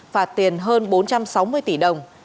phạt tiền hơn bốn trăm sáu mươi tỷ đồng